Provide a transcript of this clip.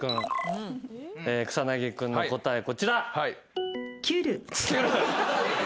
草薙君の答えこちら。